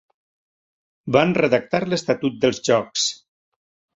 Van redactar l'estatut dels jocs.